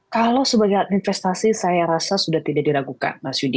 kalau sebagai alat investasi saya rasa sudah tidak diragukan mas yudi